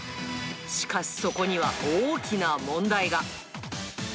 しかしそこには大きな問題が。